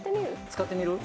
使ってみる？